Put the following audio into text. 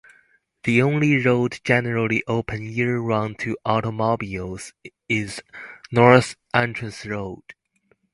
The only road generally open year-round to automobiles is North Entrance Road.